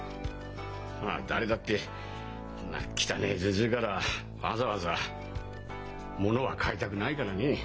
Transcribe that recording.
まあ誰だってこんな汚えじじいからわざわざ物は買いたくないからねえ。